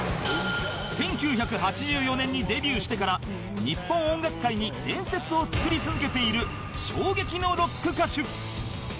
１９８４年にデビューしてから日本音楽界に伝説を作り続けている衝撃のロック歌手